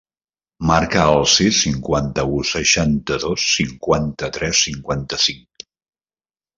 Marca el sis, cinquanta-u, seixanta-dos, cinquanta-tres, cinquanta-cinc.